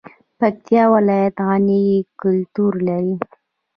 پکتیا ولایت غني کلتور لري